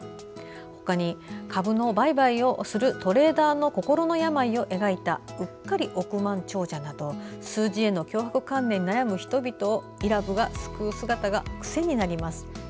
他に、株の売買をするトレーダーの心の病を描いた「うっかり億万長者」など数字への強迫観念に悩む人々を伊良部が救う姿が癖になります。